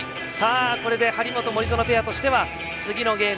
これで張本、森薗ペアとしては次のゲーム